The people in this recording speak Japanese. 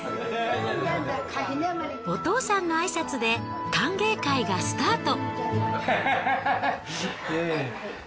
お父さんの挨拶で歓迎会がスタート。